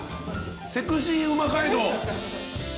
セクシーうま街道。